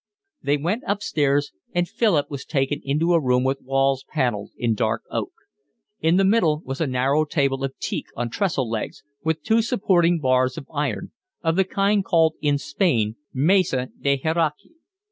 They went upstairs, and Philip was taken into a room with walls panelled in dark oak. In the middle was a narrow table of teak on trestle legs, with two supporting bars of iron, of the kind called in Spain mesa de hieraje.